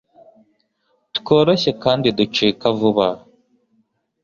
tworoshye kandi ducika vuba,